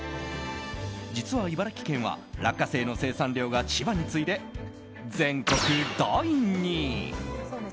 実は茨城県は、落花生の生産量が千葉に次いで全国第２位。